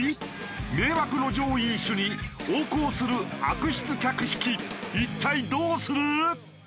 迷惑路上飲酒に横行する悪質客引き一体どうする？